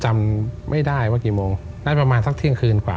จำไม่ได้ว่ากี่โมงนั้นประมาณสักเที่ยงคืนกว่า